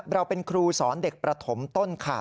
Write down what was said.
เราเป็นครูสอนเด็กประถมต้นค่ะ